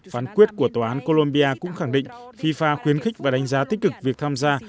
phán quyết của tòa colombia cũng khẳng định fifa khuyến khích và đánh giá tích cực việc tham gia